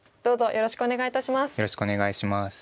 よろしくお願いします。